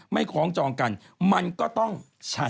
ไม่คล้องจองกันมันก็ต้องชัน